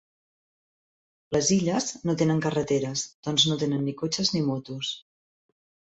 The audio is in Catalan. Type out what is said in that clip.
Les illes no tenen carreteres, doncs no tenen ni cotxes ni motos.